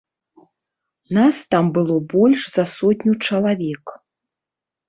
Нас там было больш за сотню чалавек.